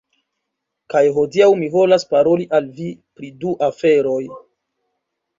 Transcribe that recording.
Kaj hodiaŭ mi volas paroli al vi pri du aferoj.